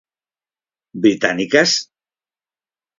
Británicas?